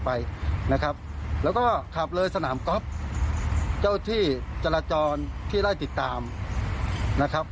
ไปนะครับหลับไว้สนามจ้าวที่จรจรที่ร่อยติดตามนะครับ